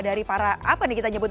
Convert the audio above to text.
dari para apa nih kita nyebutnya